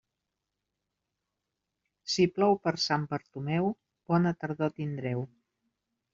Si plou per Sant Bartomeu, bona tardor tindreu.